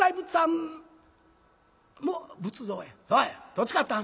どっち勝ったん？」。